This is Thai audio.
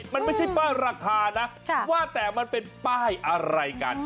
มันไม่ใช่ป้ายราคานะว่าแต่มันเป็นป้ายอะไรกัน